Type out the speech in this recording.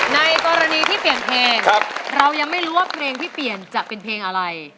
ในกรณีที่เปลี่ยนเพลงเรายังไม่รู้ว่าเพลงที่เปลี่ยนจะเป็นเพลงอะไร